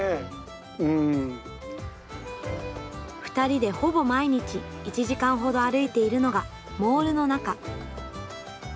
２人でほぼ毎日１時間程歩いているのがモールの中。